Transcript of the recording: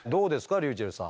ｒｙｕｃｈｅｌｌさん。